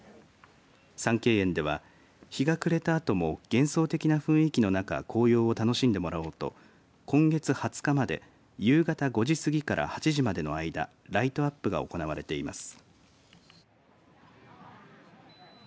三景園では、日が暮れたあとも幻想的な雰囲気の中紅葉を楽しんでもらおうと今月２０日まで夕方５時過ぎから８時までの間ライトアップが行われています。